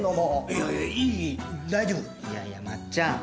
いやいやまっちゃん。